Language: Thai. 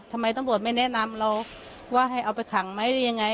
ทำไมตำรวจไม่แนะนำเราว่าให้เอาไปขังไหมหรือยังไง